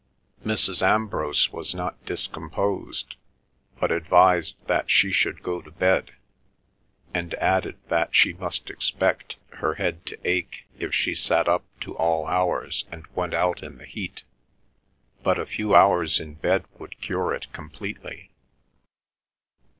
Mrs. Ambrose was not discomposed, but advised that she should go to bed, and added that she must expect her head to ache if she sat up to all hours and went out in the heat, but a few hours in bed would cure it completely.